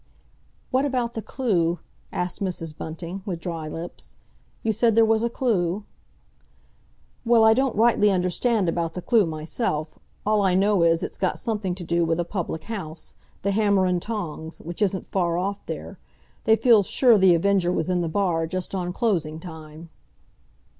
"What about the clue?" asked Mrs. Bunting, with dry lips. "You said there was a clue?" "Well, I don't rightly understand about the clue myself. All I knows is it's got something to do with a public house, 'The Hammer and Tongs,' which isn't far off there. They feels sure The Avenger was in the bar just on closing time."